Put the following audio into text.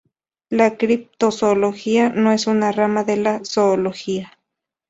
La criptozoología no es una rama de la zoología.